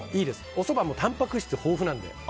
おそば、たんぱく質豊富なので。